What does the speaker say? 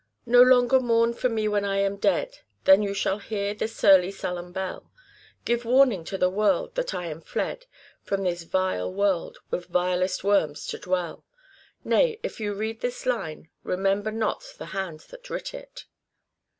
" No longer mourn for me when I am dead, Than you shall hear the surly sullen bell ; Give warning to the world that I am fled From this vile world, with vilest worms to dwell ; Nay, if you read this line, remember not The hand that writ it."